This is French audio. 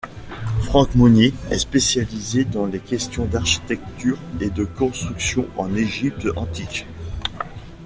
Franck Monnier est spécialisé dans les questions d'architecture et de construction en Égypte antique.